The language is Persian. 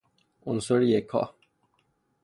عنصر یکا